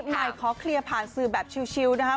ใหม่ขอเคลียร์ผ่านสื่อแบบชิลนะครับ